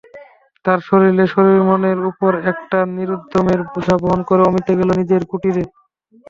তার পরে শরীরমনের উপর একটা নিরুদ্যমের বোঝা বহন করে অমিত গেল নিজের কুটিরে।